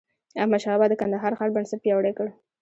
احمدشاه بابا د کندهار ښار بنسټ پیاوړی کړ.